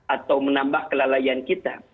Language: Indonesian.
atau menambah kelalaian kita